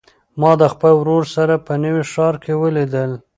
ما د خپل ورور سره په نوي ښار کې ولیدل.